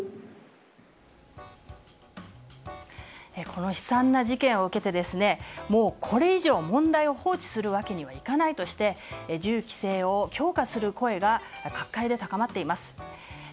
この悲惨な事件を受けてもうこれ以上、問題を放置するわけにはいかないとして銃規制を強化する声が各界で高まっています。